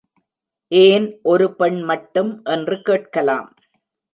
ஏன் ஒரு பெண் மட்டும் என்று கேட்கலாம்.